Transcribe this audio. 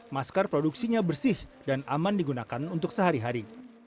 masker produksinya bersih dan aman digunakan untuk sehari hari